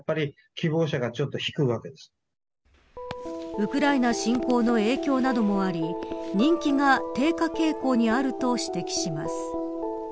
ウクライナ侵攻の影響などもあり人気が低下傾向にあると指摘します。